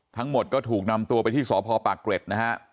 ทั้งหมดก็ถูกนำตัวไปที่สพปากเกร็ดนะฮะ